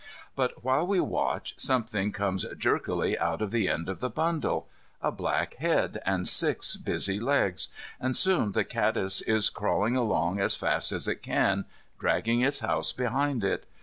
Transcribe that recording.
But while we watch something comes jerkily out of the end of the bundle a black head and six busy legs, and soon the caddis is crawling along as fast as it can, dragging its house behind it.